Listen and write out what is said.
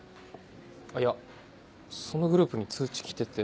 あいやそのグループに通知きてて。